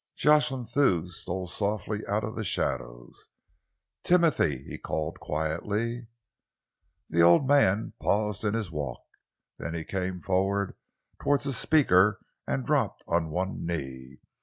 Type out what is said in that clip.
Jocelyn Thew stole softly out of the shadows. "Timothy," he called quietly. The old man paused in his walk. Then he came forward towards the speaker and dropped on one knee.